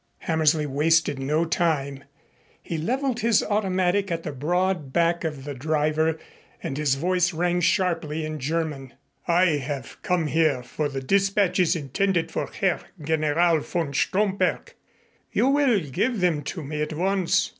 Hammersley wasted no time. He leveled his automatic at the broad back of the driver and his voice rang sharply in German: "I have come here for the dispatches intended for Herr General von Stromberg. You will give them to me at once."